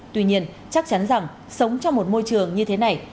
tuy nhiên chắc chắn rằng sống trong một môi trường như thế này